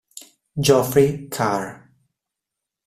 Geoffrey Carr